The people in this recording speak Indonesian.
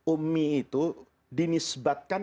ummi itu dinisbatkan